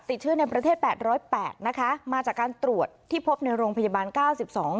ติดเชื้อในประเทศแปดร้อยแปดนะคะมาจากการตรวจที่พบในโรงพยาบาลเก้าสิบสอง